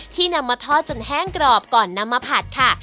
นำมาทอดจนแห้งกรอบก่อนนำมาผัดค่ะ